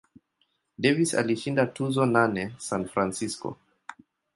Davis alishinda tuzo nane San Francisco.